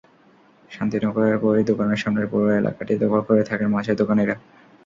শান্তিনগরের বইয়ের দোকানের সামনের পুরো এলাকাটি দখল করে থাকেন মাছের দোকানিরা।